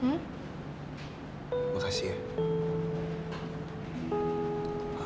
kamu gak sekolah